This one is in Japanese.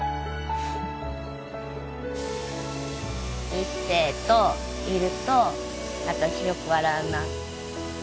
一星といると私よく笑うな。